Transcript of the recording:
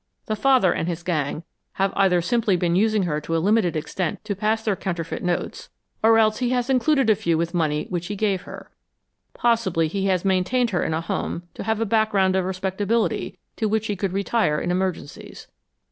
The father and his gang have either simply been using her to a limited extent to pass their counterfeit notes, or else he has included a few with money which he gave her. Possibly he has maintained her in a home to have a background of respectability to which he could retire in emergencies.